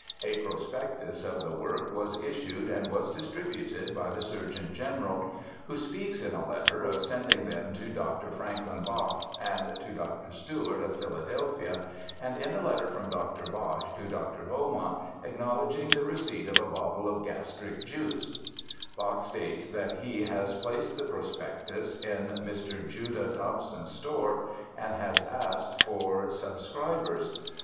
A prospectus of the work was issued and was distributed by the Surgeon General, who speaks in a letter of sending them to Dr. Franklin Bache and to Dr. Stewart of Phila delphia, and in a letter from Dr. Bache to Dr. Beaumont, acknowledging the receipt of a bottle of gastric juice, Bache states that he has placed the prospectus in Mr. Judah Dobson's store and has asked for sub I70 BIOGRAPHICAL ESSAYS scribers.